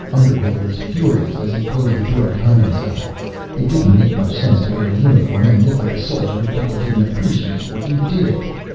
Underhill was furious as he closed the door behind himself. It didn't make much sense to wear a uniform and look like a soldier if people didn't appreciate what you did.